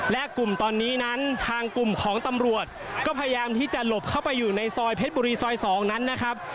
และกลุ่มตอนนี้นั้นทางกลุ่มของตำรวจก็พยายามที่จะหลบเข้าไปอยู่ในซอยเพชรบุรีซอย๒นั้นนะครับ